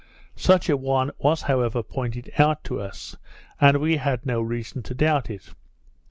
Such an one was however pointed out to us; and we had no reason to doubt it.